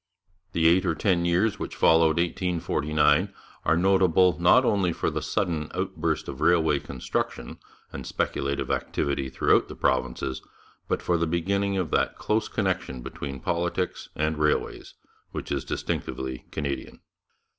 The eight or ten years which followed 1849 are notable not only for a sudden outburst of railway construction and speculative activity throughout the provinces, but for the beginning of that close connection between politics and railways which is distinctively Canadian.